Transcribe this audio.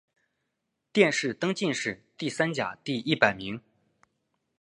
殿试登进士第三甲第一百名。